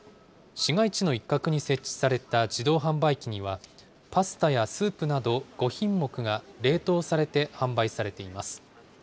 市街地の一角に設置された自動販売機には、パスタやスープなど５品目が冷凍されて販売されています。